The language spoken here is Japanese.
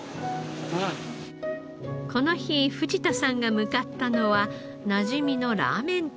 この日藤田さんが向かったのはなじみのラーメン店。